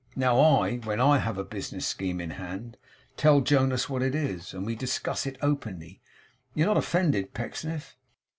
Now I, when I have a business scheme in hand, tell Jonas what it is, and we discuss it openly. You're not offended, Pecksniff?